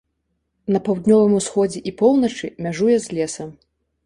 На паўднёвым усходзе і поўначы мяжуе з лесам.